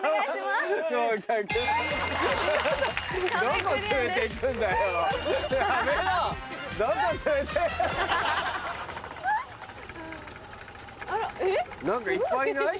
すごい。いっぱいいない？